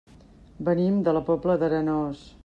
Venim de la Pobla d'Arenós.